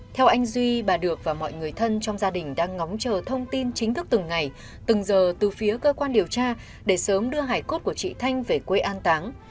theo anh duy bà được và mọi người thân trong gia đình đang ngóng chờ thông tin chính thức từng ngày từng giờ từ phía cơ quan điều tra để sớm đưa hải cốt của chị thanh về quê an táng